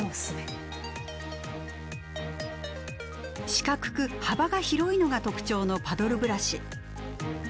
四角く幅が広いのが特徴のパドルブラシ。